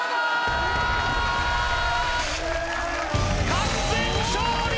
完全勝利！